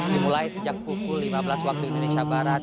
dimulai sejak pukul lima belas waktu indonesia barat